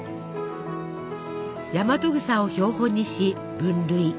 ヤマトグサを標本にし分類。